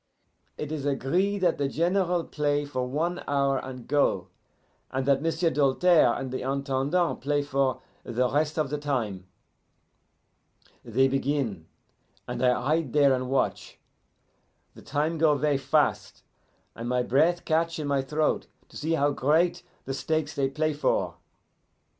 It is agree that the General play for one hour and go, and that M'sieu' Doltaire and the Intendant play for the rest of the time. "They begin, and I hide there and watch. The time go ver' fast, and my breath catch in my throat to see how great the stakes they play for.